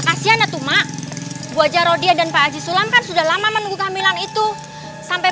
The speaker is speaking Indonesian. kasihan itu mak buajarodya dan pak azisulam kan sudah lama menunggu kehamilan itu sampai